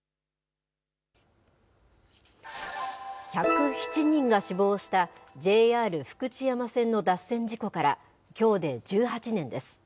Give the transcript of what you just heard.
１０７人が死亡した、ＪＲ福知山線の脱線事故からきょうで１８年です。